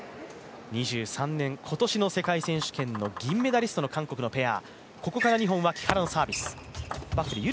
２３年、今年の世界選手権の銀メダリストの韓国のペア。